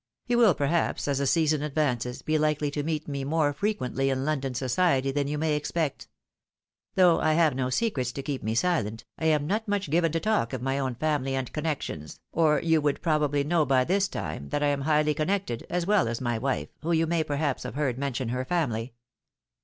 You will, perhaps, as the season advances, be likely to meet me more frequently in London society than you may expect. Though I have no secrets to keep me silent, I am not much given to talk of my own family and connections, or you would probably know by this time, that I am highly con nected, as well as my wife, who you may perhaps have heard mention her family."